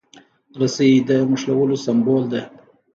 رسۍ د نښلولو سمبول ده.